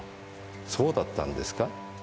「そうだったんですか」？